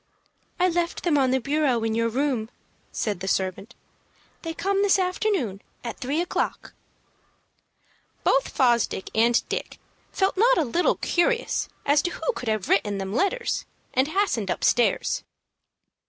"I left them on the bureau in your room," said the servant. "They come this afternoon at three o'clock." Both Fosdick and Dick felt not a little curious as to who could have written them letters, and hastened upstairs.